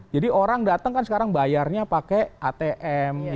jadi orang datang kan sekarang bayarnya pakai atm